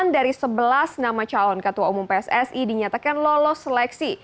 delapan dari sebelas nama calon ketua umum pssi dinyatakan lolos seleksi